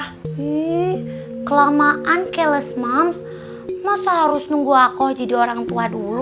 hee kelamaan keles mams masa harus nunggu aku jadi orang tua dulu